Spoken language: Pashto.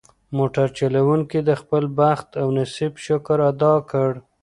موټر چلونکي د خپل بخت او نصیب شکر ادا کړ.